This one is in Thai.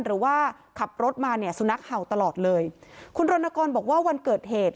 หรือว่าขับรถมาเนี่ยสุนัขเห่าตลอดเลยคุณรณกรบอกว่าวันเกิดเหตุ